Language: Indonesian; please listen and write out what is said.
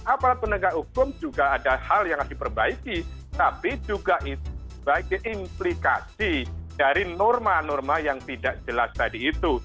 aparat penegak hukum juga ada hal yang harus diperbaiki tapi juga itu sebagai implikasi dari norma norma yang tidak jelas tadi itu